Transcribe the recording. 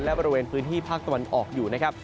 และบริเวณพื้นที่ภาคตะวันออกอยู่นะครับ